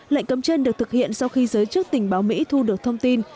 lệnh cấm trên được thực hiện sau khi giới chức tình báo mỹ thu được thông tin